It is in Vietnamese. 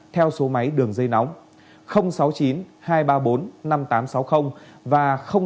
theo số máy đường dây nóng sáu mươi chín hai trăm ba mươi bốn năm nghìn tám trăm sáu mươi và sáu mươi chín hai trăm ba mươi hai một nghìn sáu trăm